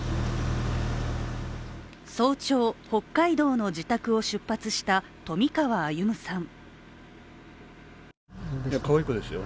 早朝、北海道の自宅を出発した冨川歩さん。